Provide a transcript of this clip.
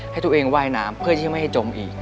ให้ตัวเองว่ายน้ำเพื่อที่ไม่ให้จมอีก